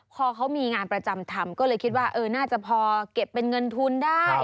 พอเขามีงานประจำทำก็เลยคิดว่าน่าจะพอเก็บเป็นเงินทุนได้